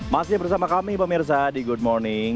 masih bersama kami pemirsa di good morning